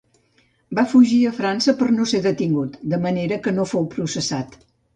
Va fugir a França per no ser detingut, de manera que no fou processat.